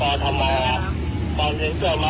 อาจจะรอด